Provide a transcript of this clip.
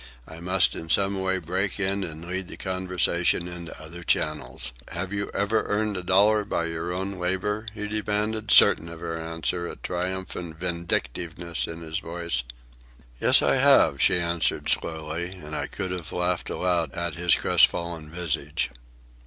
I must in some way break in and lead the conversation into other channels. "Have you ever earned a dollar by your own labour?" he demanded, certain of her answer, a triumphant vindictiveness in his voice. "Yes, I have," she answered slowly, and I could have laughed aloud at his crestfallen visage.